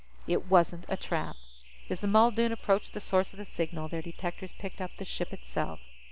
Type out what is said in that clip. It wasn't a trap. As the Muldoon approached the source of the signal, their detectors picked up the ship itself.